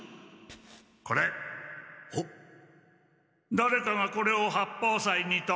だれかが「これを八方斎に」と。